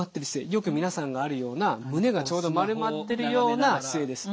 よく皆さんがあるような胸がちょうど丸まってるような姿勢です。